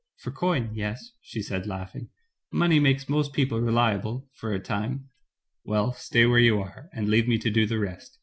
"For coin — ^yes," she said, laughing, nioney makes most people reliable — for a time." "Well, stay where you are, and leave me to do the rest.